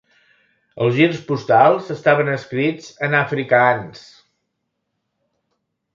Els girs postals estaven escrits en afrikaans.